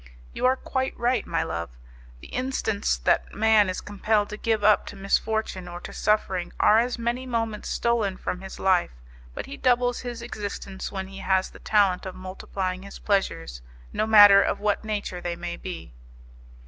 "You are quite right, my love; the instants that man is compelled to give up to misfortune or to suffering are as many moments stolen from his life, but he doubles his existence when he has the talent of multiplying his pleasures, no matter of what nature they may be."